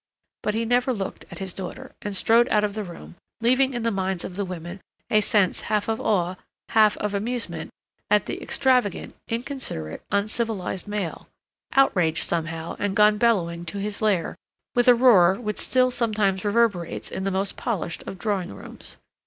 But he never looked at his daughter, and strode out of the room, leaving in the minds of the women a sense, half of awe, half of amusement, at the extravagant, inconsiderate, uncivilized male, outraged somehow and gone bellowing to his lair with a roar which still sometimes reverberates in the most polished of drawing rooms.